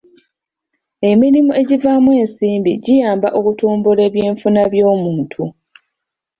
Emirimu egivaamu ensimbi giyamba okutumbula ebyenfuna by'omuntu.